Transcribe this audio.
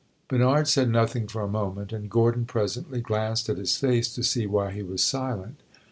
Bernard said nothing for a moment, and Gordon presently glanced at his face to see why he was silent.